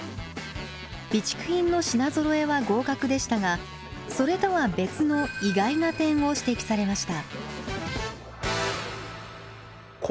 備蓄品の品ぞろえは合格でしたがそれとは別の意外な点を指摘されました。